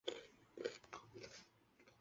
后来在汉高帝七年改称昭灵皇后。